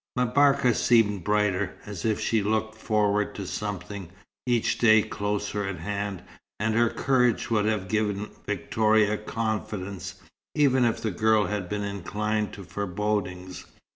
M'Barka seemed brighter, as if she looked forward to something, each day closer at hand; and her courage would have given Victoria confidence, even if the girl had been inclined to forebodings.